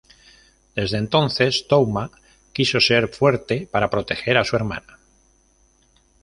Desde entonces, Touma quiso ser fuerte para proteger a su hermana.